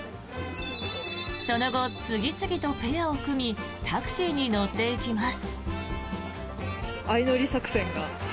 その後、次々とペアを組みタクシーに乗っていきます。